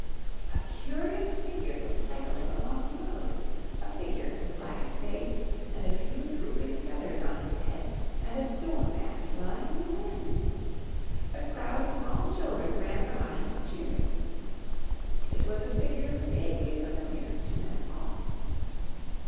A curious figure was cycling along the road a figure with blackened face and a few drooping feathers on its head, and a door mat flying in the wind. A crowd of small children ran behind cheering. It was a figure vaguely familiar to them all.